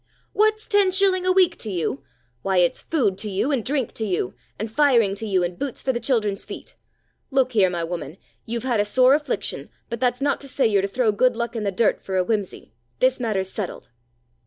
"What's ten shilling a week to you? Why, it's food to you, and drink to you, and firing to you, and boots for the children's feet. Look here, my woman. You've had a sore affliction, but that's not to say you're to throw good luck in the dirt for a whimsey. This matter's settled."